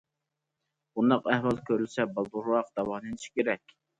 بۇنداق ئەھۋال كۆرۈلسە بالدۇرراق داۋالىنىش كېرەك.